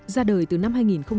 ra đời từ năm hai nghìn một mươi sáu